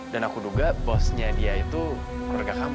dan aku duga bosnya dia itu keluarga kamu